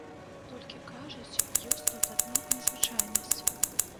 Толькі, кажуць, ёсць тут адна незвычайнасць.